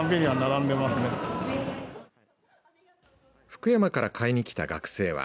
福山から買いに来た学生は。